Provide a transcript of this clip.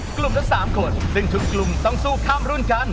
กลุ่มละ๓คนซึ่งทุกกลุ่มต้องสู้ข้ามรุ่นกัน